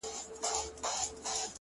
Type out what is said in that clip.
• لنډۍ په غزل کي, درېیمه برخه,